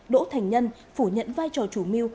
đỗ thành nhân phủ nhận vai trò chủ mưu